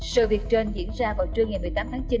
sự việc trên diễn ra vào trưa ngày một mươi tám tháng chín